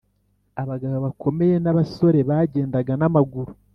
. Abagabo bakomeye n’abasore bagendaga n’amaguru